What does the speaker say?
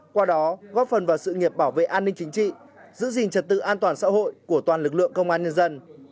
qua đó góp phần vào sự nghiệp bảo vệ an ninh chính trị giữ gìn trật tự an toàn xã hội của toàn lực lượng công an nhân dân